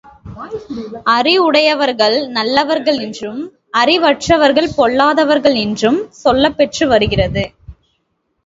அறிவுடையவர்கள் நல்லவர்கள் என்றும், அறிவற்றவர்கள் பொல்லாதவர்கள் என்றும் சொல்லப்பெற்று வருகிறது.